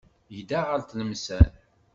Yedda ɣer Tlemsan.